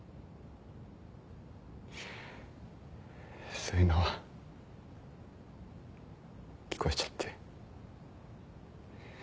そういうのは聞こえちゃって。